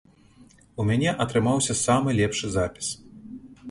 У мяне атрымаўся самы лепшы запіс.